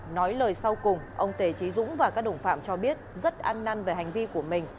nói lời sau cùng ông tề trí dũng và các đồng phạm cho biết rất ăn năn về hành vi của mình